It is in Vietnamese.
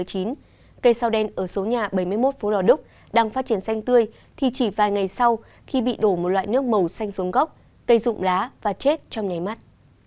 cây sao đen ở số nhà bảy mươi một phố lò đúc đang phát triển xanh tươi thì chỉ vài ngày sau khi bị đổ một loại nước màu xanh xuống gốc cây rụng lá và chết trong ny mắt